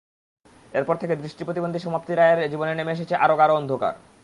এরপর থেকে দৃষ্টিপ্রতিবন্ধী সমাপ্তি রায়ের জীবনে নেমে এসেছে আরও গাঢ় অন্ধকার।